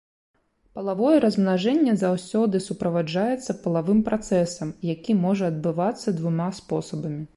Палавое размнажэнне заўсёды суправаджаецца палавым працэсам, які можа адбывацца двума спосабамі.